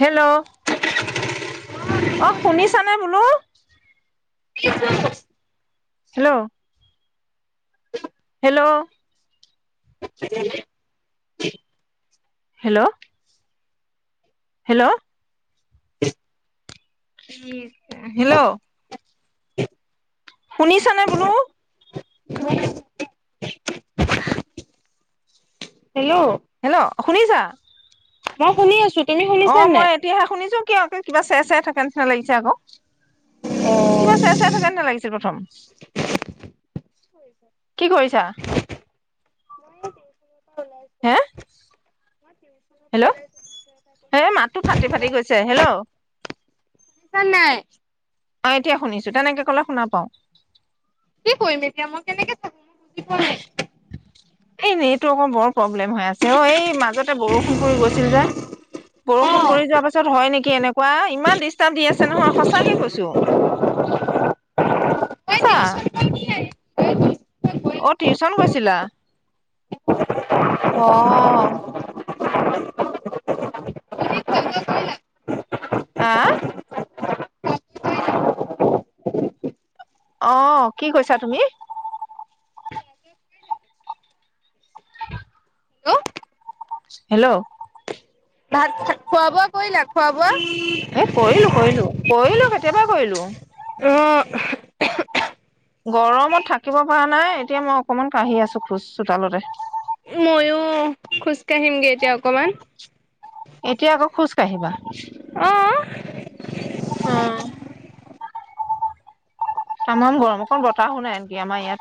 Hello [unintelligible] অ শুনিছানে, বোলোঁ। কি [unintelligible] [inaudible] hello hello [unintelligible] hello hello hello শুনিছা নে বোলোঁ? [unintelligible] যাহ হেল্ল' হেল্ল' অ শুনিছা? মই শুনি আছোঁ। অ, মই এতিয়াহে শুনিছোঁ। কিয়, কিবা চেৰচেৰাই থাকে। কিবা নিচিনা লাগিছে আকৌ। কিবা চেৰচেৰাই থাকা নচিনা লাগিছিল প্ৰথম। কি কৰিছা? হে মই। হেল্ল' হে মাতটো ফাটি শুনিছা ফাটি গৈছে হেল্ল' নাই। অ এতিয়া শুনিছো, তেনেকে কলে শুনা পাওঁ। কি কৰিম এতিয়া মই কেনেকে চাম বুজি পোৱা নাই। এনেই টো অক বৰ প্ৰব প্ৰবলেম হৈ আছে অ এই মাজতে বৰষুণ পৰি গৈছিল যে অ বৰষুণ পৰি যোৱাৰ পাছত হয় নেকি এনেকুৱা ইমান ডিষ্টাৰ্ব দি আছে নহয় সঁচাকে কৈছো মই সঁচা। টিউচন [inaudible] অ টিউচন গৈছে। ছিলা। অ,,,,, আঁ অ,,, কি কৈছা তুমি। [unintelligible] হেল্লৌ ভাত খোৱা বোৱা কৰিলা খোৱা বোৱা। এহ কৰিলোঁ কৰিলোঁ, কৰিলোঁ কেত। কেবাৰ কৰিলোঁ। য় য়োহো য়োহ। গৰমত থাকিব পৰা নাই এতিয়া মই অকমাণ কাঢ়ি আছো খোজ চোতালতে। খোজ কাঢ়িম গে এতিয়া অকমাণ। এতিয়া আকৌ খোজ কাঢ়িবা। অঁ। অহ,,,,। তামাম গৰম, অকন বতাহো নাই আনকি আমাৰ ইয়াত।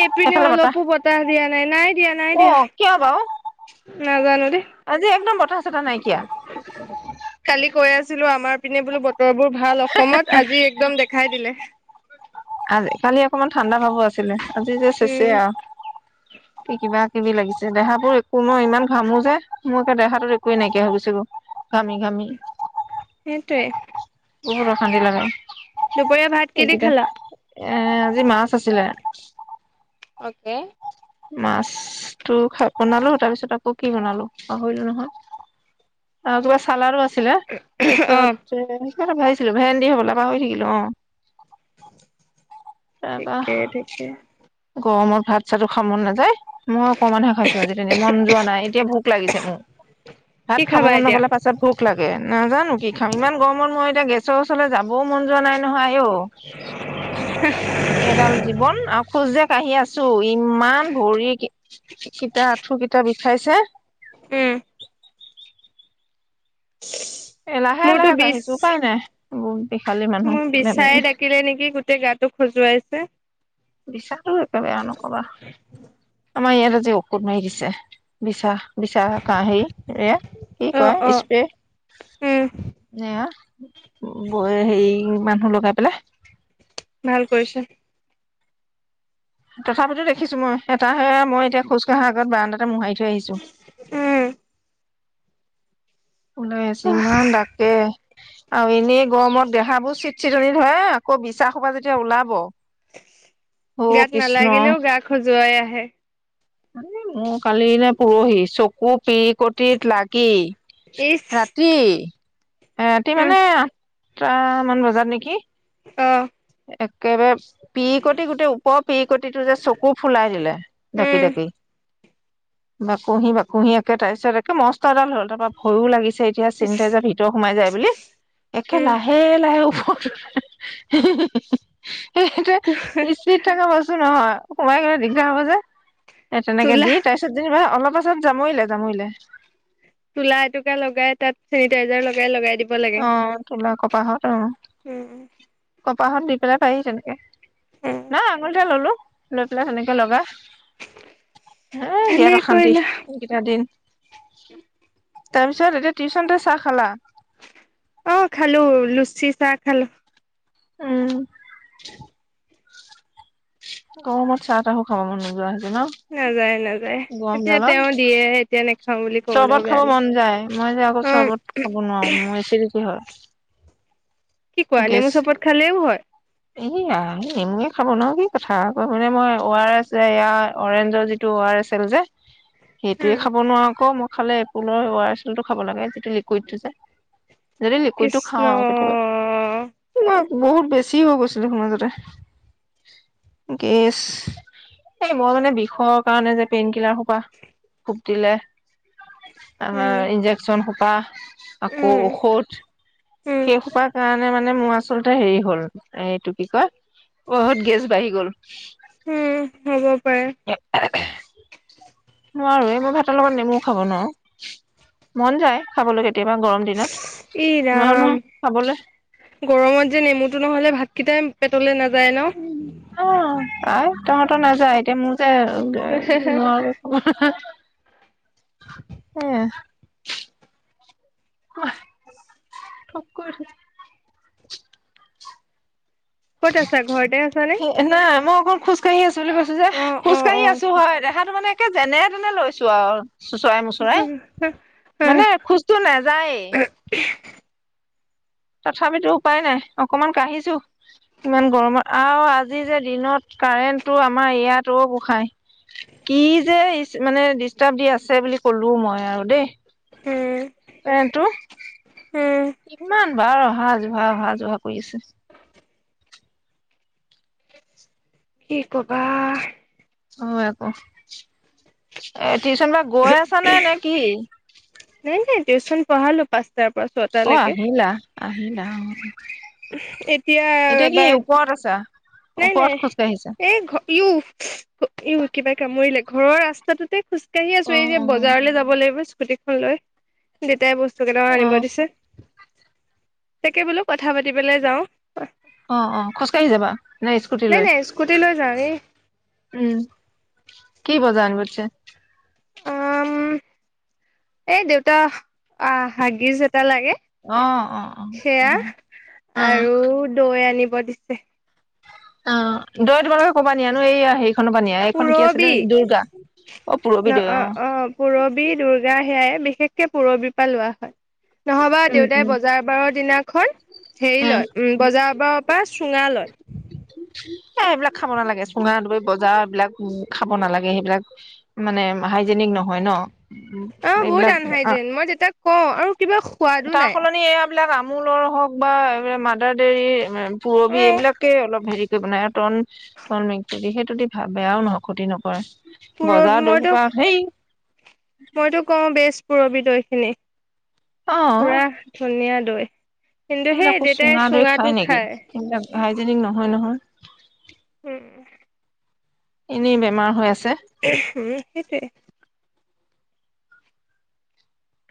এইপিনে অলপো বতাহ দিয়া নাই, নাই দিয়া, নাই অ দিয়া কিয় বাৰু নাজানো দেহ আজি একদম বতাহ চতাহ নাইকিয়া কালি। কৈ আছিলো আমাৰ পিনে বোলো বতৰ বোৰ। ভাল অসমত আজি একদম দেখাই দিলে। অকনমান ঠান্দা ভাবোঁ আছিলে। আজি যে চেচে উম। আও কি কিবা। কিবি লাগিছে দেহাবোৰ একো মই ইমান ঘামো যে মোৰ দেহাটো একো নাই কিয়া হৈ গৈছে গৈ। ঘামি ঘামি সেটোৱে। বহুত অশান্তি লাগে। দুপৰীয়া ভাত কি দি এইকেইটা খালা,? এ এ আজি মাছ আছিলে। অ'কে। মাছ টো খা বনালো তাৰ পিছত আৰু কি বনালো পাহৰিলো নহয়। অ' কিবা চালাদো আছে। ছিলে তাৰ চত অ', যে কিবা এটা ভাজিছিলো ভেন্দি হবলা পাহৰি থাকিলো অ। তাৰপা ঠিকে ঠিকে। গৰমত ভাত চাতো খাব মন নাযায়। মই অকণমানহে খাইছো আজি তেনেই, মন যোৱা নাই এতিয়া ভুক লাগিছে মোৰ, কি ভাত খাব খাবা মন এতিয়া? নগ'লে পাছত ভুক লাগে, নাজানো কি খাম ইমান গৰমত মই এতিয়া গেছ। চচ ওচলে যাবও মন যোৱা নাই নহয় আইয়ো এইডাল জীৱন।। যে কাহি আছো ইমান ভৰি কি কিটা, আঁঠু কেইটা বিষাইছে। উম',। এ লাহে মোৰতো লাহে বিচ, কাঢ়িছো উপায় নাই এইবোৰ বিষালী মানুহ মোৰ বেমাৰী বিচাই ডাকিলে নেকি গোটেই গাটো খজুৱাইছে। বিচাৰো একে বেয়া নকবা। আমাৰ ইয়াত আজি ঔষধ মাৰি দিছে বিছা। বিচাৰহকে আহি এয়া কি অ', কয় অ', উম, স্প্ৰে এয়া। বৌয়ে হেৰি, মানুহ লগাই পেলাই। ভাল কৰিছে। তথাপিতো দেখিছোঁ মই। এটাহে মই এতিয়া খোজ কঢ়াৰ আগত বাৰাণ্ডাতে মোহাৰি থৈছো। উম। ওলাই আছে ইমান দাকে। আৰু এনেই গৰমত দেহাবোৰ চিটচিটনি ধৰে আকৌ বিচা সোপা যেতিয়া ওলাব। অ গাত কৃষ্ণ নালাগিলেও গা খজুৱাই। হে মোৰ কালি নে পৰহি চকু পি কটিত লাগি। ইচ ৰাতি। এতি উম, মানে ট্ৰা মান বজাৰ নেকি? অ', একেবাৰে পিৰিকটি গোটেই ওপৰ পিৰিকটিটো যে চকু ফুলাই দিলে ঢাকি - উম, ঢাকি। বাকুহি - বাকুহি একে তাৰ পিছত একে মস্ত এডাল হ'ল তাৰপা ভয়ও লাগিছে চেতিয়া ইচ চেনিটাইজাৰ ভিতৰ সোমাই যায় বুলি একে উম, লাহে - লাহে উফ', হহ- হ- হে - হে - হে - হে সেইটো তোলা ইস্পিত থকা বস্তু নহয়। সোমাই গলে দিগদাৰ হ'ব যে। এ', তেনেকে দি তাৰপিছত যেনিবা অলপ পাছত যামইলে - যামইলে তোলা এটুকা লগাই তাত চেনিটাইজাৰ লগাই - লগাই দিব লাগে। অ', তুলী কোপাহত অ',। উম, কপাহত দি পেলাই পায়হি তেনেকে উম, না আঙুলিতে ললো লৈ পেলাই সেনেকে লগা এ বিৰাত ভালেই অশান্তি কৰিলা এইকেইটা দিন তাৰপিছত এতিয়া টিউচনতে চাহ খালা অ খালো লুচ শিছা খালো উম গৰমত চাহ তাহো খাব মন নোযোৱা হৈ নাযায় নাযায় এতিয়া ডালত তেওঁ দিয়ে তেনে চৰ্বত খাব মন যায়। মই যে আকৌ অ চৰ্বত খাব নোৱাৰো মোৰ এচিডিটি হয়। কি কোৱা! নেমু চৰ্বত খালেও হয়? ই আই এনে খাব ন কি কথা আকৌ মানে মই অ আৰ এচ যে ইয়াৰ অৰেঞ্জৰ যিটো অ আৰ এচ এল যে সেইটোয়ে খাব নোৱাৰো আকৌ মই খালে পুলৰ অ আৰ এচ এল টো খাব লাগে যিটো লিকুইডটো যে যদি লিকুইডটো কৃষ্ণ খাওঁ আৰু কেতিয়াবা, বহুত বেছ বেছি হৈ গৈছিল দেখোন মাজতে, গেছ এই মই মানে বিষৰ কাৰণে যে পেইন কিলাৰ সোপা ফুটিলে আ উম ইঞ্জেকচন পাহ আকৌ উম ঔষধ উম সেই সোপাৰ কাৰণে মানে মোৰ আচলতে হেৰি হ'ল এইটো কি কয় বহুত গেছ বাঢ়ি গ'ল উম হব পাৰে [inaudible] [inaudible] নোৱাৰো এই মই ভাতৰ লগত নেমু খাব নোৱাৰো, মন যায় খাবলৈ কেতিয়াবা গৰম দিনত ই নোৱাৰো ৰাম নহয় খাবলৈ গৰমত যে নেমুটো নহ'লে ভাতকেইটাই পেটলৈ নাজ অ আই তহঁতৰ নাযায় এতিয়া মোৰ [unintelligible] উম ক'ত আছা, ঘৰতে আছা নে? ক'ত খোজকাঢ়ি আছ। বুলি কৈছো যে, খোজ কাঢ়ি আছো হয়। দেহাটো মানে একে যেনে তেনে লৈছো আও চোচৰাই-মোচৰাই, উম মানে খোজটো নেযায়েই। তথাপিতো উপায় নাই, অকমান কাঢ়িছো, ইমান গৰমত আৰু আজি যে দিনত কাৰেণ্টটো, আমাৰ ইয়াত। অ' গোসাই, কি যে ইচ্ মানে ডিষ্টাৰ্ব দি আছে বুলি ক'লো মই আৰু দেই। উম। পেণ্টটো ইমান বাৰ অহা-যোহা, অহা-যোহা কৰি আছোঁ। কি ক'বা। হয় আকৌ, এত টিউচন পৰা গৈ আছা নে, নে কি? নাই নাই, টিউচন পঢ়ালো পাঁচ অ' আহিলা-আহিলা অ'। এতিয়া কি এবাৰ ওপৰত আছা নাই ওপৰত নাই, খোজকাঢ়িছা? এই ঘ ইউ, ইউ কিবাই কামুৰিলে। ঘৰৰ ৰাস্তাটোতেই খোজকাঢ়ি আছো, অ এই যে বজাৰলৈ যাব লাগিব স্ক স্কুটিখন লৈ, দেতাই বস্তু স্তু কেইটামান অ আনিব দিছে। তাকে বোলো কথা পাতি পেলাই যাওঁ। অ'-অ' খোজ কাঢ়ি যাবা? নে স্কুটি নাই লৈ? নাই স্কুটি লৈ যাওঁ এই উম, কি বজাৰ আনি [unintelligible] অ' উম, এই দেউতা, আহ, হাগিজ এট এটা লাগে, অ অ অ অ সেয়া, অ আৰু দৈ আনিব ব দিছে। অ', দৈ তোমালোকে ক'ৰ পৰা নিয়ানো এই ইয়া হেৰি? পূৰৱী, অ পূৰবী ন দৈ অ' অ' পূৰৱী, দুৰ্গা, সেয়াই। বিশেষকে পূৰৱী পা লোৱা হয়। নহ'বা উম দেউতাই উম। বজাৰ বাৰৰ দিনাখন, হেৰি এ লয়, উম', বজাৰ বাৰৰ পৰা চুঙা লয়। এ এইবিলাক খাব নালাগে, চুঙা দৈ বজাৰৰ এইবিলাক, খাব নালাগে, সেইবিলাক মানে হাইজেনিক নহয় ন। অ' বহুত এইবিলাক আ আনহাইজেন, মই দেতাক কওঁ, আৰু কিবা সোৱাদো নাই। আমোলৰ হওঁক বা এই মাদাৰ দেইৰি পূৰৱী অ এইবিলাকে অলপ হেৰি কৰি বনাই আৰু তন টন মে দি সেই যদি ভাবে, বেয়াও নহয়, ক্ষতি নকৰে। পুৰ বজাৰৰ মইতো, দৈসোপা সেই মইতো কওঁ বেছ। পুৰৱী দৈখিনি। অ পূৰা ধুনীয়া। দৈ। কিন্তু সেই এইবিলাকো দেউতাই চুঙা দৈ খাই চুঙাটো নেকি খায়। এইবিলাক হাইজেনিক নহয় নহয়। উম এনেই বেমাৰ হৈ আছে। উম সেইটোৱে।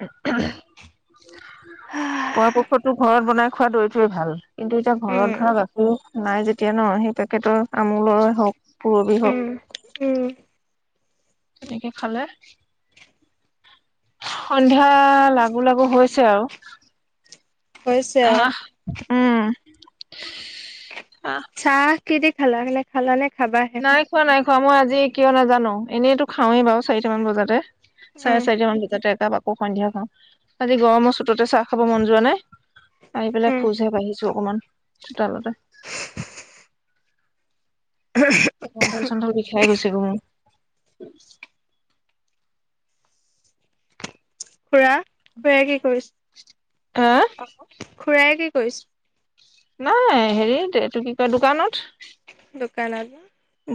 [unintelligible] [inaudible] পৰাপক্ষত ঘৰত বনাই। খোৱা দৈটোয়ে ভাল। কিন্তু এতিয়া ঘৰত উম ধৰা গাখীৰ। নাই যেতিয়া ন সেই পেকেটৰ আমুলৰে হওক। পূৰৱী উম হওক। উম তেনেকে খালে সন্ধিয়া লাগোঁ লাগোঁ হৈছে আৰু। হৈছে আৰু আহ' উম' আহ চা কিদি খালা? মানে খালা নে? খাবাহে নাই খোৱা নাই- খোৱা মই আজি কিয় নাজানো, এনেইতো খাওঁৱেই বাৰু চাৰিটামান বজাতে। চাৰে উম চাৰিটা মান ভিতৰতে একাপ। আকৌ সন্ধিয়া খাওঁ। আজি গৰমৰ তাতে চাহ খাব মন যোৱা নাই, আহি পেলাই উম খোজহে বাঢ়িছে। অকমান চোতালতে। কন্ধল চন্ধল বিষাই গৈছে গৈ মোৰ। উম [unintelligible] [inaudible] খুড়া, খুড়াই কি কৰিছে? আহ' খুড়ায়ে কি কৈছে? নাই হেৰিত, এইটো কি কয় দোকানত। দোকান আৰু?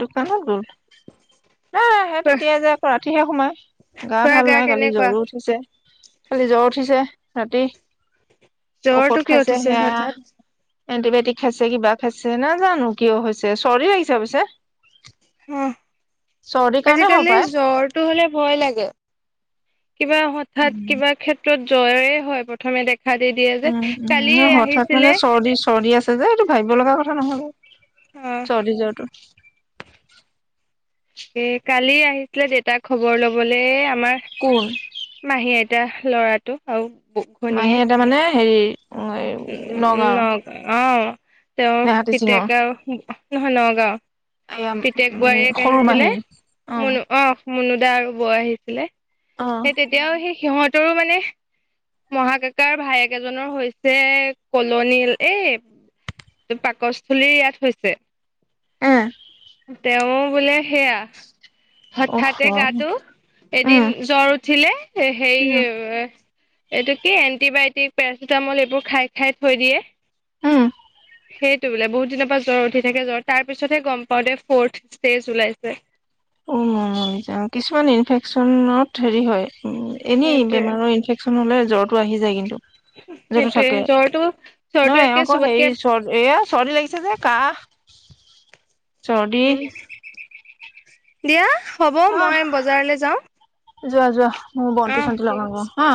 দোকানত গ'ল এ সেই খুৰা তেতিয়াই যে আকৌ ৰাতিহে সোমাই গা খুৰা ভাল নাই কালি কেনেকুৱা জ্বৰো উঠিছে কালি জ্বৰ উঠিছে ৰাতি জ্বৰটো কিয় উঠিছে হঠাৎ এণ্টিবায়টিক খাইছে কিবা খাইছে নাজানো কিয় হৈছে চৰ্দি লাগিছে পিছে অহ চৰ্দিৰ কাৰণে হ'ব আজিকালি জ্বৰটো হ'লে ভয় লাগে কিবা হঠাৎ পায় কিবা ক্ষেত্ৰত জ্বৰে হয় প্ৰথমে দেখ উম উ হঠাৎ মানে চৰ্দি চৰ্দি আছে যে এইটো ভাবিব লগা কথা নহয় অহ চদি জ্বৰটো এ কালি আহিছিলে দেউতাক খবৰ লবলৈ এয়া কোন মাহী আইতা লৰাটো আৰু মাহী এটা মানে হেৰি সে এ ন নগাঁওৰ অ [unintelligible] তেওঁ নেহাতী সিঙৰ পিতেক আৰু নহয় নগাঁও এয়া পিতেক উম, বোৱাৰীয়েক সৰু আহিছিলে মাহী মনো অ মুনুদা আৰু বৌ আহিছিলে অ', সেই তেতিয়াও সেই সিঁহত তৰো মানে মহাকাক ভাইেক এজনৰ হৈ যে কলনী এই পাকস্থলীৰ ইয়াত হৈছে অহ তেওঁ বোলে সেয়া অহ, হঠাতে গাটো এদিন উম, জ্বৰ উঠিলে সেই উম, এইটো কি এণ্টিবায়টিক পেৰাচিটামল এই বোৰ খাই খাই থৈ দিয়ে উম। সেইটো বোলে বহুত দিনৰ পৰা জ্বৰ উঠি থাকে জ্বৰ তাৰ পিছতহে গম পাও দে ফৰ্থ ষ্টেজ ওলাইছে উ ম যা কিছুমান ইনফেকচনত হেৰি হয় উ এনেই সেইটোয়ে বেমাৰৰ ইনফেকচন হলে জ্বৰ আহি যায় কিন্তু জৰটো সেইটোয়ে থাকে জ্বৰটো জ্বৰটো নহ একে আকৌ হেৰি চবতকে চ এইয়া চৰ্দি লাগিছে যে কাহ [unintelligible] চদি উম দিয়া হ'ব মই বজাৰলে যাওঁ যোৱা যোৱা। ম অ বন্তি চন্তি ঠিক লগাওঁ আছে গে হা।